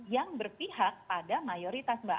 yang berpihak pada mayoritas mbak